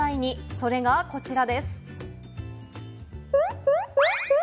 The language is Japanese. それがこちらです。